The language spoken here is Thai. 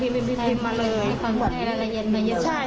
ใครเหมือนพิมพ์รายละเอียดมาเลย